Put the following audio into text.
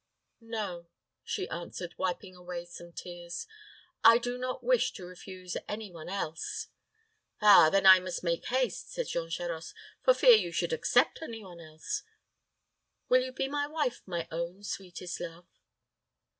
"No," she answered, wiping away some tears. "I do not wish to refuse any one else." "Ah, then I must make haste," said Jean Charost, "for fear you should accept any one else. Will you be my wife, my own sweetest love?"